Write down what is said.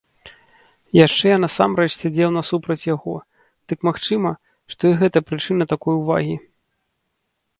Яшчэ я насамрэч сядзеў насупраць яго, дык магчыма, што і гэта прычына такой увагі.